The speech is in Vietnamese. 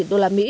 trong năm này